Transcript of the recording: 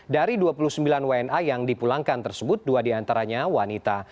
dari dua puluh sembilan wni yang dipulangkan tersebut dua di antaranya wanita